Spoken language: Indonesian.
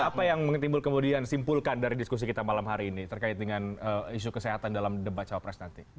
apa yang timbul kemudian simpulkan dari diskusi kita malam hari ini terkait dengan isu kesehatan dalam debat cawapres nanti